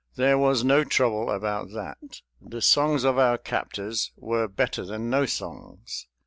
There was no trouble about that. The songs of our captors were better than no songs.